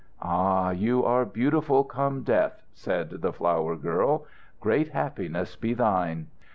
"Ah, you are beautiful come death!" said the flower girl. "Great happiness be thine!"